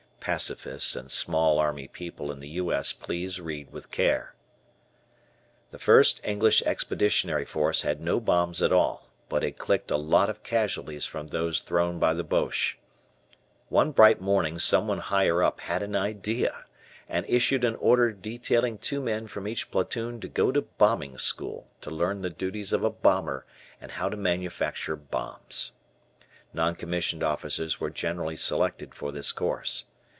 (Pacifists and small army people in the U. S. please read with care.) The first English Expeditionary Force had no bombs at all but had clicked a lot of casualties from those thrown by the Boches. One bright morning someone higher up had an idea and issued an order detailing two men from each platoon to go to bombing school to learn the duties of a bomber and how to manufacture bombs. Non commissioned officers were generally selected for this course.